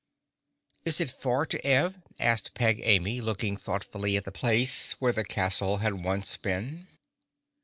"Is it far to Ev?" asked Peg Amy, looking thoughtfully at the place where the castle had once been.